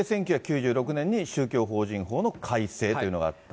１９９６年に宗教法人法の改正というのがあった。